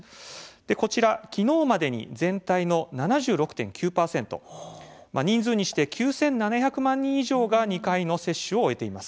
こちら、きのうまでに全体の７６．９％人数にして９７００万人以上が２回の接種を終えています。